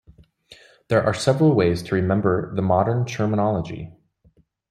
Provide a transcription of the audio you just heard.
There are several ways to remember the modern terminology.